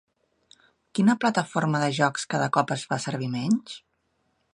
Quina plataforma de jocs cada cop es fa servir menys?